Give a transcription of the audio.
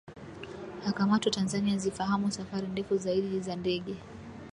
akamatwa Tanzania Zifahamu safari ndefu zaidi za ndege